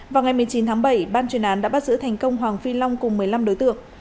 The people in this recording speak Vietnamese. vào ngày một mươi chín tháng bảy ban chuyên án đã bắt giữ thành công hoàng phi long cùng một mươi năm đối tượng